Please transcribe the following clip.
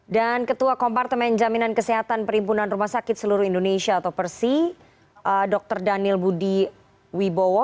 dan ketua kompartemen jaminan kesehatan perimpunan rumah sakit seluruh indonesia atau persi dr daniel budi wibowo